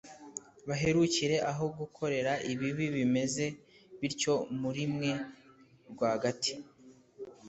baherukire aho gukorera ibibi bimeze bityo muri mwe rwagati.